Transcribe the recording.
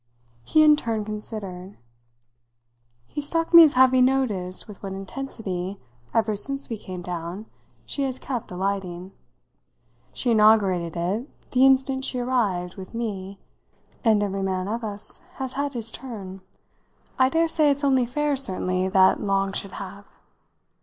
He in turn considered. "He struck me as having noticed with what intensity, ever since we came down, she has kept alighting. She inaugurated it, the instant she arrived, with me, and every man of us has had his turn. I dare say it's only fair, certainly, that Long should have."